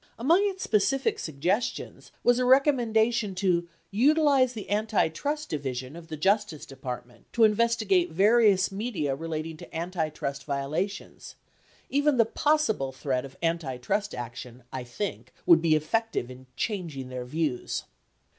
Among its specific suggestions was a recommendation to "utilize the antitrust division (of the Justice Department) to investigate various media relating to antitrust violations. Even the possible threat of antitrust action I think would be effective in changing their views."